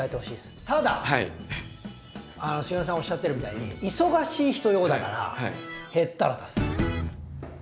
杉山さんおっしゃってるみたいに忙しい人用だから減ったら足すです。